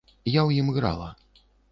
Я ў ім грала.